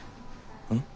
うん？